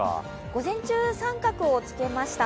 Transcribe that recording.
午前中△をつけました。